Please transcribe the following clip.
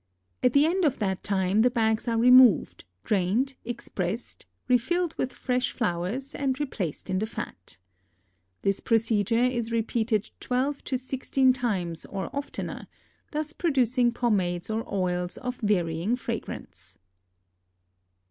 At the end of that time the bags are removed, drained, expressed, refilled with fresh flowers, and replaced in the fat. This procedure is repeated twelve to sixteen times or oftener, thus producing pomades or oils of varying fragrance.